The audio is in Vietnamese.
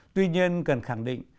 tuy nhiên cần khẳng định